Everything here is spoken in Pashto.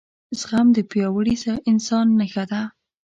زغم دپیاوړي انسان نښه ده